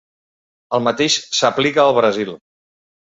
El mateix s'aplica al Brasil.